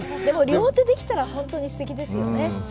両手できたら本当にすてきですよね。